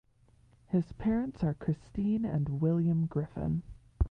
His parents are Christine and William Griffin.